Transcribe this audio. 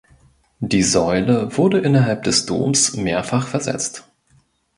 Die Säule wurde innerhalb des Doms mehrfach versetzt.